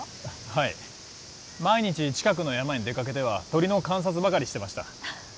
はい毎日近くの山に出かけては鳥の観察ばかりしてました